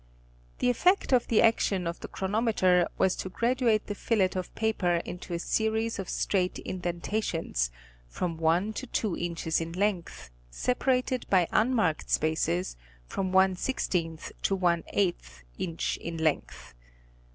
The effect of the action of the chronometer was to graduate the fillet of paper into a series of straight indentations, from one to two inches in length, separated by unmarked spaces from ;% to ¢ inch in length.